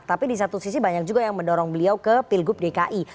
tapi di satu sisi banyak juga yang mendorong beliau ke pilgub dki